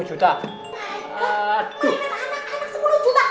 mainan anak anak sepuluh juta